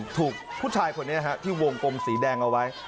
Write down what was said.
ถูกผู้ชายคนนี้ที่วงกลมสีแดงเอาไว้